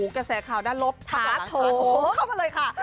กระแสข่าวนะคะเข้าใหม่เลยค่ะ